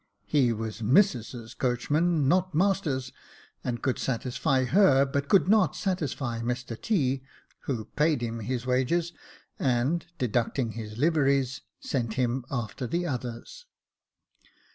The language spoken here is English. He was missus's coachman. 2 8o Jacob Faithful not master's, and could satisfy her, but could not satisfy Mr T. ; who paid him his wages, and, deducting his liveries, sent him after the others.